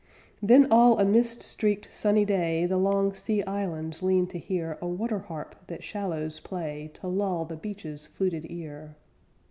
Then all a mist streaked, sunny day The long sea islands lean to hear A water harp that shallows play To lull the beaches' fluted ear.